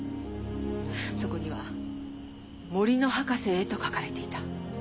そこには「森の博士へ」と書かれていた。